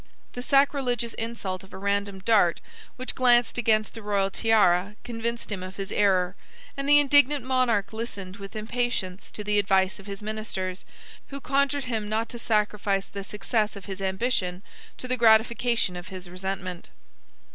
The sacrilegious insult of a random dart, which glanced against the royal tiara, convinced him of his error; and the indignant monarch listened with impatience to the advice of his ministers, who conjured him not to sacrifice the success of his ambition to the gratification of his resentment.